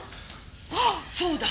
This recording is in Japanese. ああそうだ！